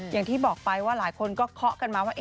อย่างที่บอกไปว่าหลายคนก็เคาะกันมาว่า